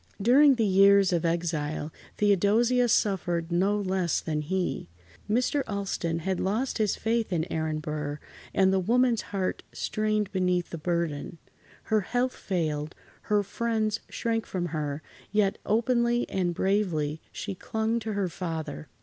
During the years of exile, Theodosia suffered no less than he. Mr. Alston had lost his faith in Aaron Burr, and the woman's heart strained beneath the burden. Her health failed, her friends shrank from her, yet openly and bravely she clung to her father.